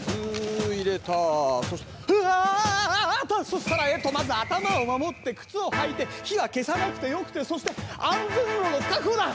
そしたらえっとまず頭を守って靴を履いて火は消さなくてよくてそして安全路の確保だ！